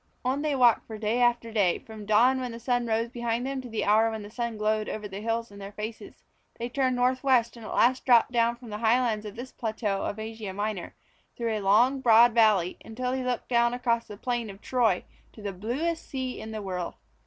On they walked for day after day, from dawn when the sun rose behind them to the hour when the sun glowed over the hills in their faces. They turned northwest and at last dropped down from the highlands of this plateau of Asia Minor, through a long broad valley, until they looked down across the Plain of Troy to the bluest sea in the world.